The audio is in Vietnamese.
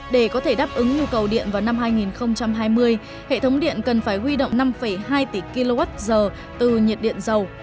để có thể đáp ứng nhu cầu điện vào năm hai nghìn hai mươi hệ thống điện cần phải huy động năm hai tỷ kwh từ nhiệt điện dầu